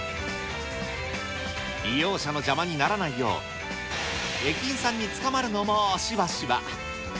利用者の邪魔にならないよう、駅員さんに捕まるのもしばしば。